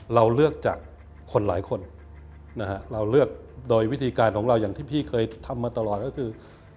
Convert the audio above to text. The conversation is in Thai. เราเลือกจากคนหลายคนนะฮะเราเลือกโดยวิธีการของเราอย่างที่พี่เคยทำมาตลอดก็คือ